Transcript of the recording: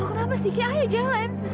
lo kenapa sih ki ayo jalan